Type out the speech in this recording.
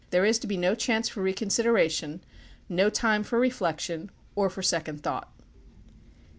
There is to be no chance for reconsideration, no time for reflection or for second thought.